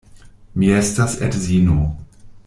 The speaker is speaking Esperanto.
Mi estas edzino.